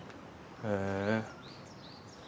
へえ。